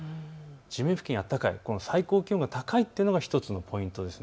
地面付近は暖かい、最高気温が高いというのが１つのポイントです。